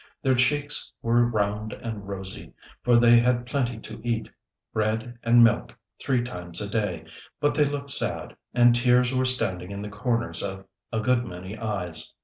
Their cheeks were round and rosy, for they had plenty to eat bread and milk three times a day but they looked sad, and tears were standing in the corners of a good many eyes.